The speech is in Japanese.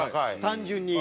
単純に。